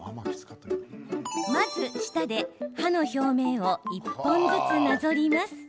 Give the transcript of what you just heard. まず、舌で歯の表面を１本ずつなぞります。